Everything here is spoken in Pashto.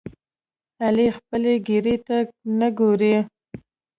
علي خپلې ګیرې ته نه ګوري.